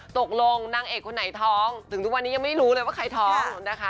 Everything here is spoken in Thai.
ตกลงนางเอกคนไหนท้องถึงทุกวันนี้ยังไม่รู้เลยว่าใครท้องนะคะ